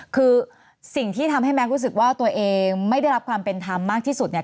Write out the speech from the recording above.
คือสิ่งที่ทำให้แม็กซรู้สึกว่าตัวเองไม่ได้รับความเป็นธรรมมากที่สุดเนี่ย